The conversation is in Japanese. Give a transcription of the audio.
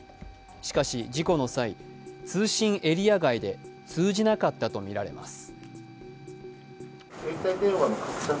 しかし、事故の際、通信エリア外で通じなかったとみられています。